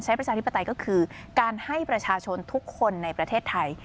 ประชาธิปไตยก็คือการให้ประชาชนทุกคนในประเทศไทย